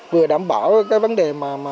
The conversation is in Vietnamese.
vừa đảm bảo cái vấn đề